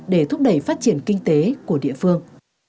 để thúc đẩy phát triển kinh tế của địa phương